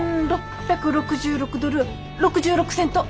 １，６６６ドル６６セント！